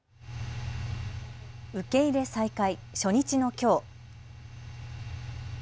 受け入れ再開初日のきょう。